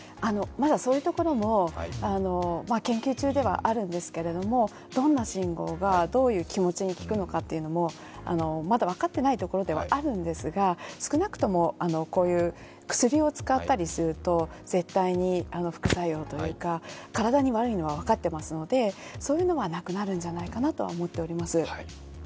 まず、そういうところも研究中ではあるんですけどどんな信号がどういう気持ちに効くのかというのもまだ分かっていないところではあるんですが少なくともこういう薬を使ったりすると絶対に副作用というか体に悪いのは分かってますので、そういうのはなくなるんじゃないかなとは思ってはおります。